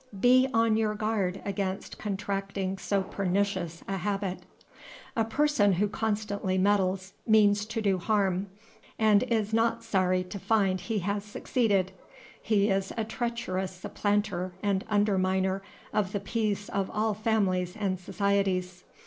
Be on your guard against contracting so pernicious a habit. A person who constantly meddles means to do harm, and is not sorry to find he has succeeded. He is a treacherous supplanter and underminer of the peace of all families and societies.